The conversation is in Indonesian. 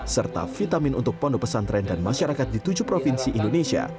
serta vitamin untuk pondok pesantren dan masyarakat di tujuh provinsi indonesia